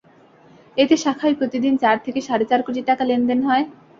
এতে শাখায় প্রতিদিন চার থেকে সাড়ে চার কোটি টাকা লেনদেন হয়।